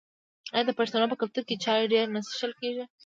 آیا د پښتنو په کلتور کې چای ډیر نه څښل کیږي؟